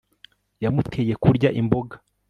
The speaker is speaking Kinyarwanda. yamuteye kurya imboga